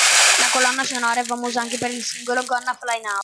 La colonna sonora è famosa anche per il singolo "Gonna Fly Now".